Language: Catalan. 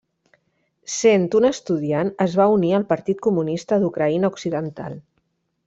Sent un estudiant es va unir al Partit Comunista d'Ucraïna Occidental.